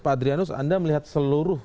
pak adrianus anda melihat seluruh